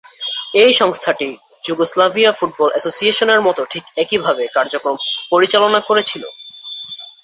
এই সংস্থাটি Yugoslavia football অ্যাসোসিয়েশনের মতো ঠিক একইভাবে কার্যক্রম পরিচালনা করেছিল।